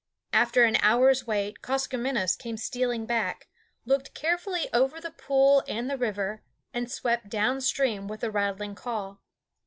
After an hour's wait Koskomenos came stealing back, looked carefully over the pool and the river, and swept down stream with a rattling call.